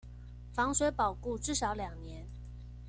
防水保固至少兩年